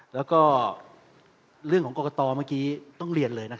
แล้วก็เรื่องของกอกกะตอเมื่อกี้ต้องเรียนเลยนะครับ